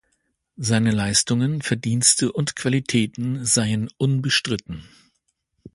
Seine Leistungen, Verdienste und Qualitäten seien unbestritten.